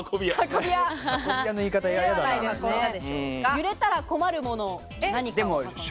揺れたら困るもの。